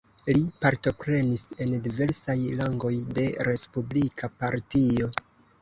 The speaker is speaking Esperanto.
Li partoprenis en diversaj rangoj de Respublika Partio.